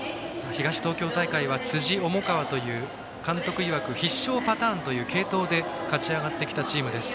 東東京大会は辻、重川という監督いわく必勝パターンという継投で勝ち上がってきたチームです。